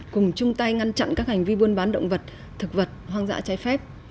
cùng chung tay ngăn chặn các hành vi buôn bán động vật thực vật hoang dã trái phép